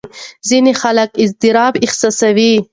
ځینې خلک اضطراب احساسوي.